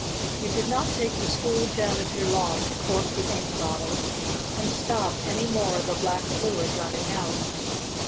It did not take the school janitor long to cork the ink bottle and stop any more of the black fluid running out.